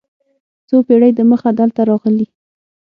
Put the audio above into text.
څو پېړۍ دمخه دلته راغلي.